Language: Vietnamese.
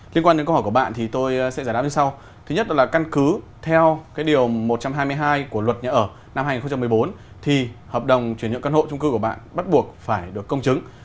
liên quan đến câu hỏi của bạn thì tôi sẽ giải đáp như sau thứ nhất là căn cứ theo điều một trăm hai mươi hai của luật nhà ở năm hai nghìn một mươi bốn thì hợp đồng chuyển nhượng căn hộ trung cư của bạn bắt buộc phải được công chứng